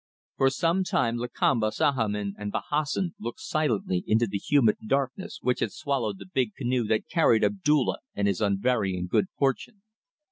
For some time Lakamba, Sahamin, and Bahassoen looked silently into the humid darkness which had swallowed the big canoe that carried Abdulla and his unvarying good fortune.